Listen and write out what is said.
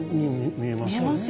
見えますよねえ。